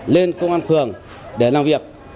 lên công an phường để làm việc